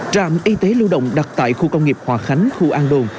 trạm y tế lưu động đặt tại khu công nghiệp hòa khánh khu an đồn